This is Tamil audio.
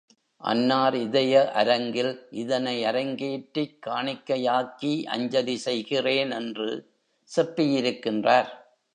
அன்னார் இதய அரங்கில் இதனை அரங்கேற்றிக் காணிக்கையாக்கி அஞ்சலி செய்கிறேன், என்று செப்பியிருக்கின்றார்.